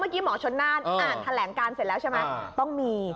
เมื่อกี้หมอชนน่านอ่านแถลงการเสร็จแล้วใช่ไหมต้องมี